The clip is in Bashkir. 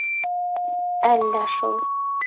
Әллә шул...